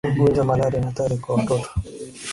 ugonjwa malaria ni hatari kwa watoto